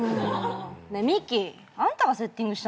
ねえミキあんたがセッティングしたんでしょ。